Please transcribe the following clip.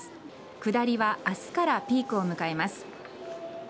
下りは明日からピークを迎えます。